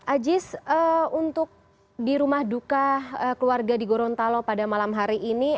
ajis untuk di rumah duka keluarga di gorontalo pada malam hari ini